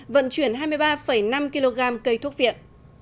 vận chuyển hai mươi ba năm kg cây thuốc viện